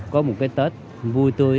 có một cái tết vui tươi